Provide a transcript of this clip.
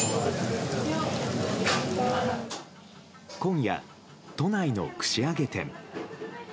今夜、都内の串揚げ店。